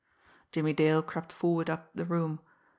Jimmie Dale crept forward up the room.